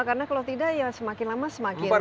karena kalau tidak ya semakin lama semakin diupakan